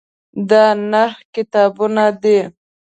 دا نهه کتابونه دي.